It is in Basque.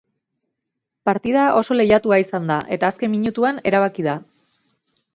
Partida oso lehiatua izan da, eta azken minutuan erabaki da.